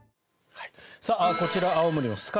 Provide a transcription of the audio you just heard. こちら青森の酸ケ